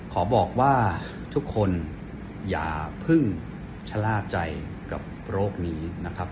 ขอบอกว่าทุกคนอย่าเพิ่งชะล่าใจกับโรคนี้นะครับ